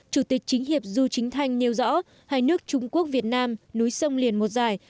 chủ tịch chính hiệp du chính thanh nêu rõ hai nước trung quốc việt nam núi sông liền một dài